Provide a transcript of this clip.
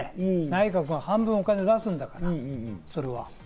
内閣が半分お金を出すんだから、それは。